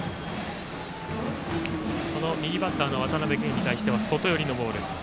右バッターの渡辺憩に対しては外寄りのボール。